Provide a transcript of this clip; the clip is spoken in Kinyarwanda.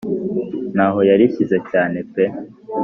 ntaho yarishyize cyane pe